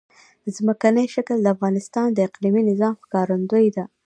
ځمکنی شکل د افغانستان د اقلیمي نظام ښکارندوی ده.